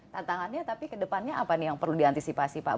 tantangannya tapi kedepannya apa nih yang perlu diantisipasi pak